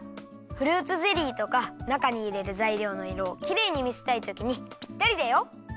フルーツゼリーとかなかにいれるざいりょうのいろをきれいにみせたいときにぴったりだよ。